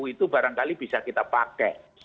itu barangkali bisa kita pakai